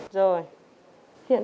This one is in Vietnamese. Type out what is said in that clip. dạ em không